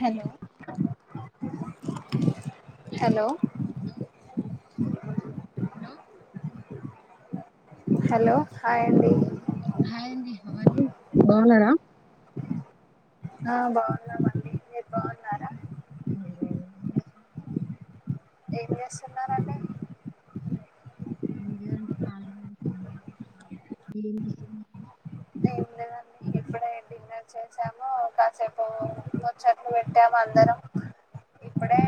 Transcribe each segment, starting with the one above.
Hello hello అ hello hi అండి hi అండి హౌ అర్ యు బాగున్నారా ఆ బాగున్నామ్ అండి మీరు బాగున్నారా ఏం చేస్తున్నారండి ఎం లేదండి కాలిగా నే ఇంట్లో కూర్చున్నాను మీరు ఎం చేస్తూన్నారు ఏం లేదండి ఇప్పుడే డిన్నర్ చేసాము, కాసేపు ముచ్చట్లు పెట్టాము అందరం, ఇప్పుడే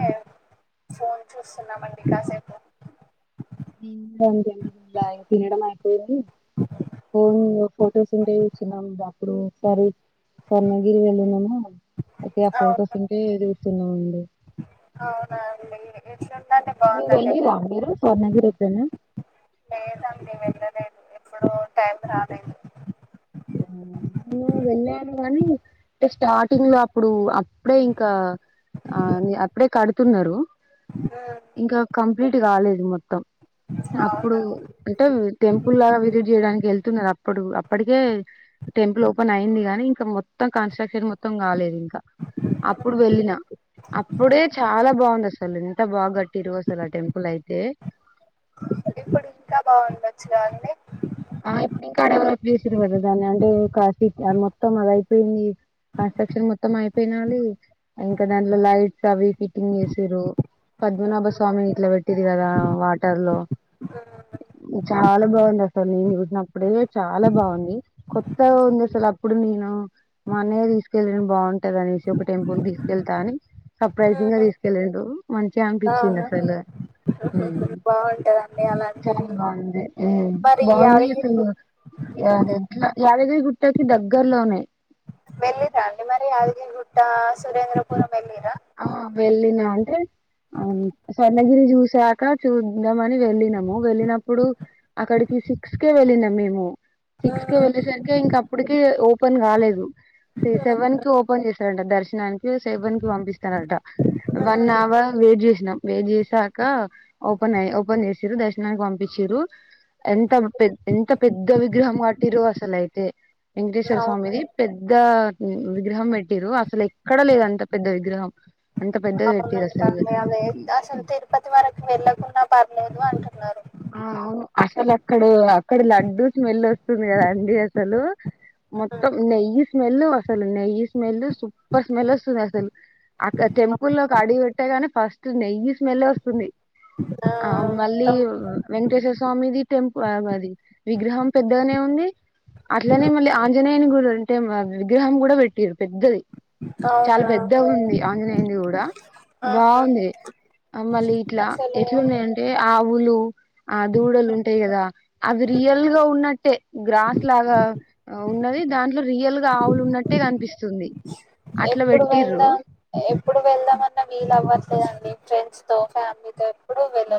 ఫోన్ చూస్తున్నామండి కాసేపు [unintelligible] తినడమే మ్ [unintelligible] ఫొటోస్ ఉంటే [unintelligible] సరి స్వర్ణగిరి వెళ్ళున్నామా ఒకే అ ఫొటోస్ అవును ఉంటే [unintelligible] స్తులా ఉంది అవునా అండి ఎట్లా ఉంది అండి బా వెల్లిండ్ర మీరు స్వర్ణగిరికి ఎప్పుడైనా లేదండి వెళ్ళలేదు ఎప్పుడు టైం రాలేదు నేను వెళ్ళాను కాని అంటే స్టార్టింగ్ లో అప్పుడు, అప్పుడే ఇంకా అప్పుడే కడుతున్నారు, ఉమ్, ఇంకా కంప్లీట్ కాలేదు మొత్తం, అప్పుడు అవునా అంటే టెంపుల్ లాగా విజిట్ చేయడానికి వెళ్తున్నారు అప్పుడు అప్పటికే టెంపుల్ ఓపెన్ అయింది కానీ ఇంకా మొత్తం కన్స్ట్రక్షన్ మొత్తం కాలేదు ఇంకా, ఉమ్, అప్పుడు వెళ్ళిన అప్పుడే అవును. చాలా బాగుంది అసలు ఇంత బాగా గట్టిరు అసలు ఆ టెంపుల్ అయితే ఇప్పుడు ఇంకా బాగుండొచ్చురా అండి ఇంకా డెవలప్ చేసిరు కదా, దాన్ని అంటే మొత్తం అది అయిపోయింది, కన్స్ట్రక్షన్ మొత్తం అయిపోయినాలి ఇంకా దాంట్లో లైట్స్ అవి ఫిట్టింగ్ చేసారు పద్మనాభ స్వామి ఇట్లా పెట్టిది కదా వాటర్ లో ఉమ్, చాలా బాగుంది అసలు నేను చూసినప్పుడే చాలా బాగుంది, కొత్తగా ఉంది అసలు అప్పుడు నేను, మా అన్నయ్య తీసుకెళ్లి బాగుంటది అనేసి ఒక టెంపుల్ తీసుకెళ్తా అని ఉమ్. సర్ప్రైజింగ్ గా తీసుకెళ్ళడు మంచిగా అనిపించింది అవునా అసలు మ్ బాగుంటదండి అలాంటిది మరి బాగుంది యాదగిరి గు [unintelligible] యాదగిరి గుట్టకి దగ్గర్లోనే మళ్ళి తాండి మరి అ గు ఇక సురేంద్రపురం వెళ్ళిరా ఆ వెళ్ళినా అంటే ఆ స్వర్ణగిరి చూసాక చూద్దామ అని వెళ్ళినాము వెళ్ళినప్పుడు అక్కడికి చూస్కె వెళ్ళినాం మేము సిక్స్ కె వెళ్ళెసరికి ఇంక అప్పుడికి పని గాలేదు త్రి సెవెన్ కి ఓపెన్ చేస్త ఏమైన దర్శనానికి సేవ న్కి పంపిస్తంది చేస్తరంట వన్ ఉమ్ అవర్ వెయిట్ చే నాక్ వేడి చేసాక ఓపెన్ అయ్య ఓపెన్ చేసిరు దర్శనానికి పంపించురు ఎంత పె ఎంత పెద్ద విగ్రహం కట్టిరు అసలయితే వెంకటేశ్వర అవును స్వామిది పెద్ద ఉమ్ విగ్రహం పెట్టిరు అసలు ఎక్ ఎక్కడ లేదు అంత పెద్ద విగ్రహం పెద్దది పెట్టిరు అవునండి అద అసలు అదే అసలు తిరుపతి వరకు వెళ్ళకుండా మ పర్లేదు అంటున్నారు ఆ అవు అసలు అక్కడ అక్కడ లడ్డుూ స్మెల్ వస్తుంది కదాండి అసలు మొత్తం నెయ్యి స్మెల్ అసలు నెయ్యి స్మెల్ సూప్పర్ స్మెల్ వస్తుంది అసలు అక్కడ టెంపుల్ లో ఒక అడుగు పెట్టేగాని ఫస్ట్ నెయ్యి స్మెల్ వస్తుంది ఆ మళ్ళీ విజయ స్వామిది టెంపులా మది విగ్రహం పెద్దగానే ఉంది అట్లనే మళ్ళి ఆంజనేయ గు ఎలా అంటే విగ్రహం కూడా పెట్టిరు పెద్దది చాలా అవునా పెద్ద ఉంది ఆంజనేయుది కూడా ఆహా బాగుంది మళ్ళీ ఇట్లా అసలు ఎట్లున్నాయంటే ఆ పూలు ఆ దూడలు ఉంటయి కదా అవి రియల్ గా ఉన్నట్టే గ్రాస్ లాగ ఉన్నది దాంట్లో రియల్గా ఆవులు ఉన్నట్టే కనిపిస్తుంది అట్లా ఎప్పుడు పెట్టిర్రు వెళ్దాం ఏప్ ఇప్పుడు వెళ్దామన్నన వీళ అవ్వ పదండి ఫ్రెండ్స్ తో ఫ్యామిలీ తో హా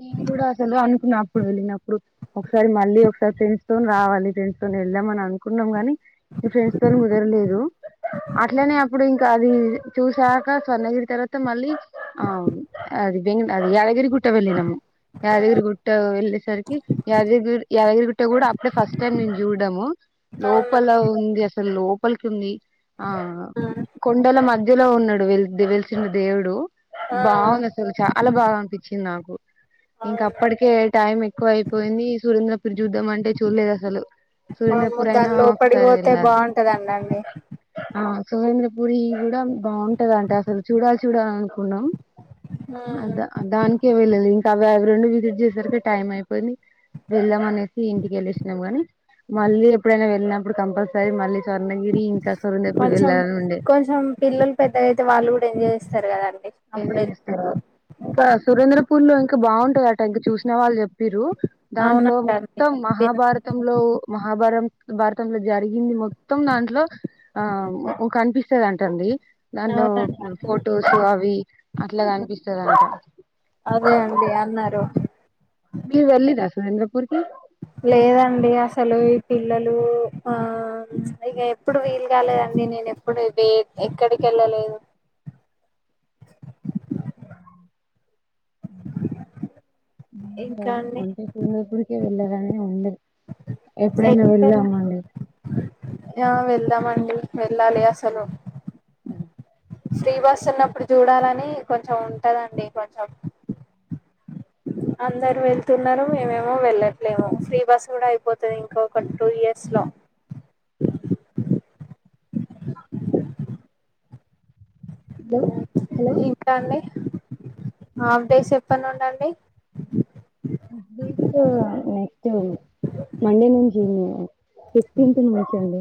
నేను కూడా అసలు అనుకున్నా ఇప్పుడు వెళ్ళినప్పుడు ఒకసారి మళ్ళి ఒకసారి ఫ్రెండ్స్తోోన్ రావాలి ఫ్రెంస్తోోన్ వెళ్దామ అని అనుకున్నాం ని మీ ఫ్రెండ్స్ తో ని కుదరలేదు అట్లనే ఇప్పుడు ఇంకా అది చూసాక స్వర్ణగిరి తర్వత మళ్ళీ అ అది వెన్ కట అది యాది గుట్ట వెళ్ళినము యాదగిరి గుట్ట వెళ్ళేసరికి యాదగి యాదగిరి గుట్ట గూడా అంటే ఫస్ట్ టైం నేను చూడ్డము అవునా లోపల ఉంది అస్ అసలు లోపలికి ఉంది ఆ కొండల మధ్ ఇలా ఉన్నాడు వె వెలిసిన దేవుడు ఆ బావుంది అసలు చ చాలా బాగా అనిపించి ఇది నాకు ఇంక అవును అప్పటికే టైం ఎక్కువ అయిపోయింది సురేంద్రపూర్ చూద్దాం అంటే చూడలేదు అసలు వామ్మో సురేంద్రపూర్ అయినా దాని లోపడి ఒకసారి పోతే వెళ్ళాలి. బాగుంటదండండి ఆ సుహేంద్ర పూరి కూడా బావుంటదంట అసలు చూడాలి చూడాలి అనుకున్నాం ఉమ్ అద దానికె వెళ్లలి ఆవి అవి రెండు విజిట్ చేసేసరికి టైం అయిపోయింది వెళ్దాం అనేసి ఇంటికి వెళ్ళేసినాం గానీ మళ్ళీ ఎప్పుడైనా వెళ్ళినప్పుడు కంపల్సరీ మళ్ళీ స్వర్ణగిరి ఇంకా సొరందపూర్ కొంచెం వెళ్ళాలని ఉండే కొంచెం పిల్లలు పెద్ద అయితే వాళ్ళు కూడా ఏం చేస్ వస్తారు గదారు ఎంజాయ్ చేస్తారా ఇంకా సురేంద్ర పూరి లో ఇంకా బావుంటదట ఇంక చూసి చుసినవాళ్లు చెప్ చేపిరు దాంట్లో అవునంటండి మొత్తం మహాభారతంలో మహాభారం భారతంలో జరిగింది మొత్తం దాంట్లో ఆ కనిపిస్తదంటండి. దాంట్లో ఫోటోస్ అవి అట్లా కనిపిస్తదంట అదే అండి అన్నారు మీరు వెల్లీరా సురేంద్రపురి కి లేదండి అసలు ఈ పిల్లలు ఆ ఇక ఎప్పుడు వీలు కాలేదండి నేను ఎప్పుడు వే ఎక్కడికి వెళ్ళలేదు ఆ [unintelligible] ఇంకా హ్మ్ అండి అంటే సురేంద్రపురికి వెళ్లారా హ్మ్ ఉంది ఎప్పుడైనా ఎప్పుడు వెళ్ళామండి వెళ్దాం వెళ్దామండి వెళ్ళాలి అసలు ఫ్రీ బస్ ఉన్నప్పుడు చూడాలని కొంచెం ఉంటదండి కొంచెం అందరూ వెళ్తున్నారు మేమెమో వెళ్ళట్లేము ఫ్రీ బస్ కూడా అయిపోతుంది ఇంకా ఒక టూ ఇయర్స్ లో హలో హలో ఇంకా అండి హాఫ్ డేస్ ఎపటినుండి అండీ ఫిఫ్టీన్ నెక్స్ట్ మండే నుంచి ఫిఫ్టీన్త్ నుంచండి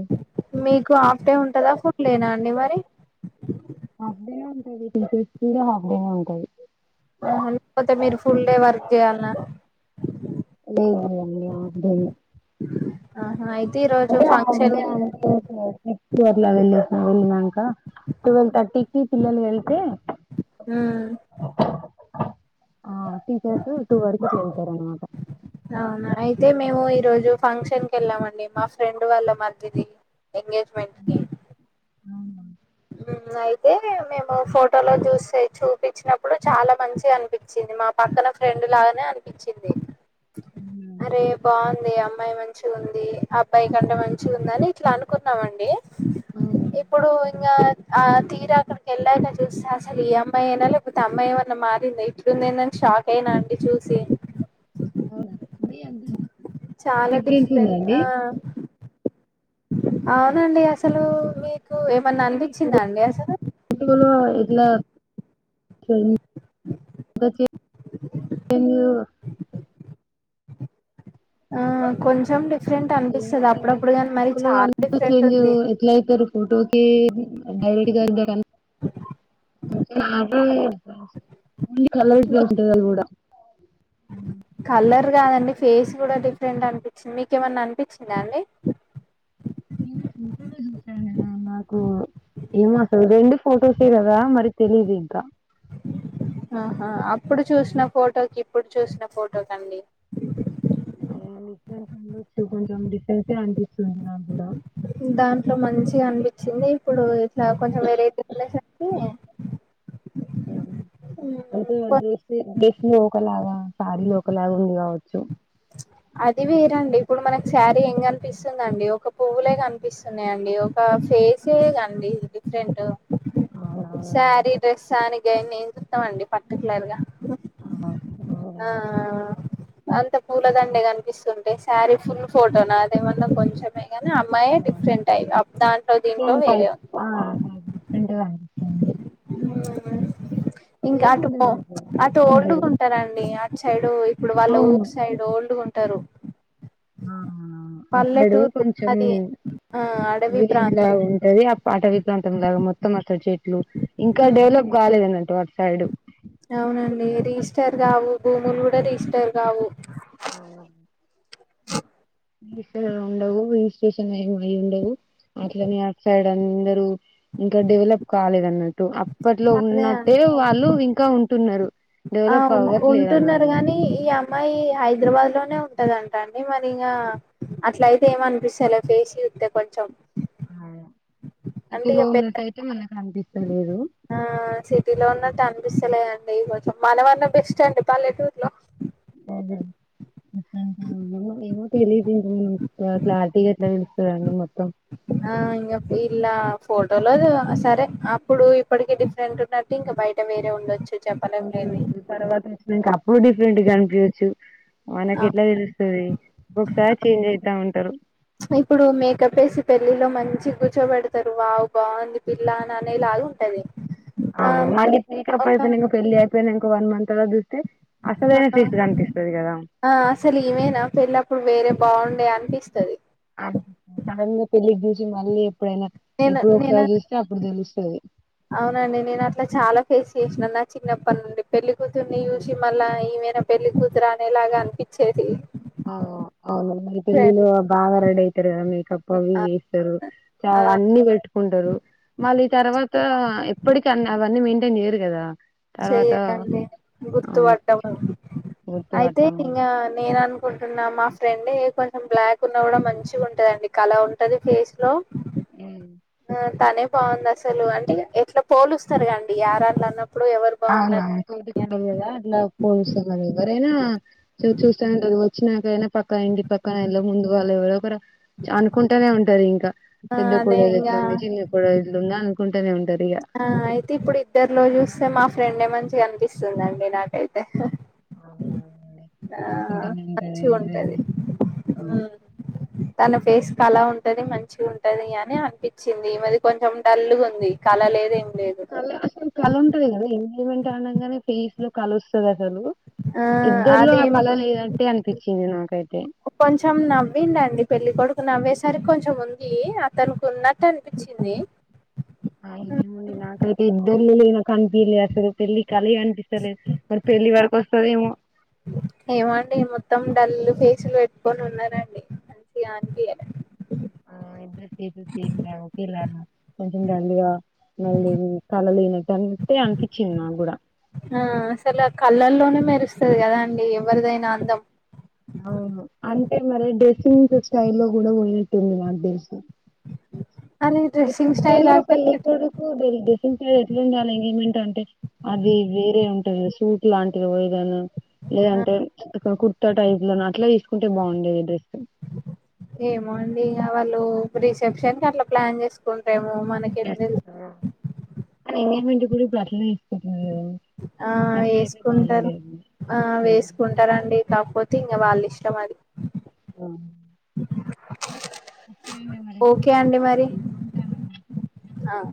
మీకు అఫ్ డే ఉంటందా ఫుల్ డే న అండి మరి హాఫ్ డేనే టీచర్స్ కూడ అఫ్ డేనే ఉంటాది ఆ లేకపోతే మీరు ఫుల్ డే వర్క్ చేయాలన్నా లేదు లేదు ఆహా హ అంటే అఫ్ డే అప్పుడు అప్పుడు వేలాలి వెళ్లినాక టువెల్ తాటికి పిల్లలు వెళ్తే ఉమ్ టీచర్స్ వర్ ఏ తారనమాట అవునా అయితే మేము ఈరోజు ఫంక్షన్ క వెళ్ళామండి మా ఫ్రెండ్ వాళ్ళ మధది ఎంగేజమెట్కి అయితే మేము ఫోటోలో చూసి చూపించినప్పుడు చాలా మంచి అనిపించింది మా పక్కన ఫ్రెండ్ లాగానే అనిపించింది అరే బాగుంది అమ్ అమ్మాయి మంచి ఉంది అబ్బాయి కంటే మంచి ఉంది అని ఇట్లా అనుకున్నామండి అవు ఇంకా ఆ తీర అక్కడికి వెళ్ళాక చూస్తే అసలు ఈ అమ్మాయి అయినా లేకపోతే అమ్మాయి ఏమన్నా మారిందా ఇట్డుందేనని షాక్ అయినా అండి చూసి అవునా అ అంత చాలా దగ్గర ఉంటుందా డిఫరెంట్ అండి ఆ అవునండి అసలు మీరు అ ఇలా స అక ఆ కొంచెం డిఫరెంట్ అనిపిస్తుంది ఏమండి మరి అప్పుడప్పుడు కాని మరి ఫోటోలు చాలా డిఫరెంట్ ఉంది ఈ డైరెట్గా ఉ కలగా ఉంటుందిది కూడా కల్ కాదండి ఫేస్ కూడా డిఫరెంట్ అనిపించింది మీక ఏమన్నా అనిపించిందా అండి నేను చూసాను నాకు ఏమో అసలు రెండు ఫొటోసే కదా మరి తెలీదు ఇంకా ఆహా అప్పుడు చూసిన ఫోటోకి ఇప్పుడు చూసిన ఫోటో క అండి కొంచెం అపి సునా కూడాడ కనిపించింది ఇప్పుడు ఇట్లా కొంచెం వెరైటీ ఉండేసరికి అంటే అడస్ ఒకలాగా సారిలో ఒకలాగా ఉంది క చు అది వేరండి ఇప్పుడు మనకి శారీ ఏం కనిపిస్తుందిండి, ఒక పువ్వులే కనిపిస్తున్నాయండి, ఒక ఫేసే కండి డిఫరెంట్ అవునవును సారీ డ్రెస్ అనికి ఇ నేం చూస్తామ అండి పర్టికులర్ గా ఆ ఆ అంత పూలదండే కనిపిస్తుంటే శారీ ఫుల్ ఫోటోనా అదేమన్నా కొంచెం ని అమ్మాయిే అవును డిఫరెంట్ అయి దాంట్లో దీంట్లో సేమ్ వేరే టైప్ ఉంది ఆ టైప్ డిఫరెంట్ గా అనిపిస్తుంది ఆ ఇంకా సేమ్ అటు పో ఉండరు అసలు అటు ఓల్డ్గా ఉండరు ఉంటా హే అటు సైడు ఇప్పుడు వాళ్ళ అవును ఊర్ సైడ్ ఓల్డ్ ఉ ట్టరు ఆ అక్కడు కొంచెం అది ఆ అడవి వేదిలా ప్రాంతం ఉంటది అ పాట వీట్లాంటంద మొత్తం చెట్లు ఇంకా డెవలప్ కాలేదన్నట్టు సైడ్ ర ఈస్టర్ కావు అవు చూస ఏ అయి ఉండవు అట్లనే అ సైడ్ అందరు ఇంకా డెవలప్ కాలేదు అన్నట్టు ఇప్పట్లో అదే ఉన్నట్టే అండి వాళ్ళు ఇంకా ఉం టున్నారు ఆ ఉంటున్నారు గాని ఈ ఇ అమ్మాయి హైదరాబాద్ లోనే ఉంటదంట అండి, మరి ఇంకా అట్ల అయితే ఏమ అనిపిస్తలో ఫేసి చూస్తే కొంచెం ఆ అంటే ఇక అనిపిస్తలేదు ఆ సిటీ లో ఉన్నట్టు అనిపిస్తలే కొంచెం మనవరన బెస్ట్ అండి పల్లెటూర్ లో అదే అ ఏమో తెలిదుం క్లారిటీగా ఎట్లా తెలుస్తుందండి మొత్తం ఆ ఇంకా ఇలా ఫోటోలో సరే అప్పుడు ఇప్పటిక డిఫరెంట్ ఉన్నట్టు ఇంకా బయట వేరే ఉండొచ్చు చెప్పలేం లేండి తర్వాత వచ్చన్నాక డిఫరెంట్ కనిపివచ్చు ఆ మనకి ఎట్లా తెలుస్తుంది ఒకసారి చేంజ్ అయితా ఉంటారు ఇప్పుడు మేకప్ వేసి పెళ్ళిలో మంచి కూర్చోబెడతారు వావ్ బాగుంది పిల్లా అనేలాగా ఉంటది అ ఆ మల్లి [unintelligible] ఒక అయిపోయినాక పెళ్లి అయిపోయినాక వన్ మంత్ త ఆ ఆ అసలు ఇవేనా పెళ్ల్ళప్పుడు వేరే బాగుండే అనిపిస్తది. హ సడన్ గా పెళ్ళికి మళ్ళీ ఎప్పుడైనా నేను ఎప్పుడు నేను ఒకసారి చూస్తే అప్పుడు తెలుస్తు ఊ అవునండి నేను అట్లా చాలా ఫేస్ చేసినాను నా చిన్నప్పటి నుండి. పెళ్లి కూతుర్ని చూసి మళ్ళీ ఈమైనా పెళ్లి కూతురు అనేలాగా అ పిచ్చే తీ అవు అవును నమ్ అయితేలిలు బాగారెడి అయితారు అ అవి ఆ చేస్తారు చాలా అన్ని పెట్టుకుంటారు. మళ్ళీ ఈ తర్వాత ఆ ఎప్పటిక అన్ని అవన్నీ మ నేరు కదా తర్వాత చెయ్యాలండి అవును గుర్తుపట్టము గుర్తు అయితే పట్టము ఇంక నేనను కుంటున్న మా ఫ్రెండ్ కొంచెం బ్లాక్ ఉన్నా కూడా మంచిగా ఉంటదండి కల ఉంటది ఫేస్ లో. అ ఆ తనే బాగుంది అసలు అంటే ఎట్లా పోలుస్తారు కండి ఎరళ్ళ అన్న న కద అ పోస్ది అంతేనా చు చూస్తా ఇచ్చినకైనా పక్క ఇంటి పక్కనలో ముందు వాళ్ళు ఎవరో ఒకరు అనుకుంటూనే ఉంటారు. ఇంకా ఆ పెద్ద అదే కూడలు ఇట్లు ఇంగా ఉంది, చిన్న కూడలు ఇట్లుంది అకు కుంటనే ఉంటది ఆ అయితే ఇప్పుడు ఇద్దరులో చూస్తే మా ఫ్రెండడ్ మంచిగా కనిపిస్తుందండి నాకైతే అవునవునండి ఆ అనుకుంటూనే ఉంటారు మచ్చి ఏం ఉంటది జరిగింది ఉ అవును తన ఫేస్ కలా ఉంటది, మంచిగా ఉంటది అని అనిపించింది. ఈమది కొంచెం డల్లుగా ఉంది. కలలేదు ఇం క కల ఉంటది గా ఎమెంట్ ఆనగానే ఫేస్ లో కలు వస్తుంది. అసలు ఆ ఇద్దర్లో అది ఆ కళ లేదంటే అనిపించింది నాకైతే పెళ్ళ కొడుకు నవ్వేసరికి కొంచెం ఉంది అతనికి ఉన్నట్టు అనిపించింది. ఆ నాకైతే ఇద్దరు దున్ పి లేస పళ్లి కలిళ అనిపిస్తలే మరి పళ్లి వ వస్తదేమో ఏమండి మొత్తం డల్లు ఫేసులు పెట్టుకొని ఉన్నారండి [unintelligible] ఆ ఇద్దరు ఫేస్ సేమ్ లా ఒకేలా కొంచెం డల్ గా మళ్ళీ కళ లేనట్టు అంతే అనిపించింది నాకు కూడా ఆ అసలు ఆ కళ్ళల్లోనే మెరుస్తుంది కదా అండి ఎవరిదైనా అందం అ అంటే మరి డ్రెస్సింగ్స్ స్టైల్ లో కూడా ఉన్నట్టుంది మాకు తెలిసి అ డ్రెస్సింగ్ స్టైల్ లో పెళ్లికొడుకు [unintelligible] ఇంకా ఎట్ల ఉండాలి ఇంకేమిటంటే అది వేరే ఉంటది సూట్ లాంటిది పోయితేనా లేదంటే ఇక్కడ కుర్తా టైప్ లో అట్లా ఇ తీసుకుంటే బాగుండేది డ్రెస్ లో రిసెప్షన్ కట్లా ప్లాన్ చేసుకుంటే ఆ మనకేం తెలుస్ గుడిపట్లేనే ఆ వేసుకుంటారు. బాగుండేది ఆ వేసుకుంటారండి కాకపోతే, తీ ఇంగ వాళ్లిష్టమది ఆ ఓకే అండి మరి ఓకే అండి మరి ఉంటానమ్మా ఆ